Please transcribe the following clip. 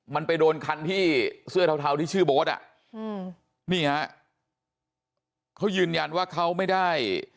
มันไปโดนคันที่เสื้อเทาเทาที่ชื่อโบ๊ทอ่ะอืมนี่ฮะเขายืนยันว่าเขาไม่ได้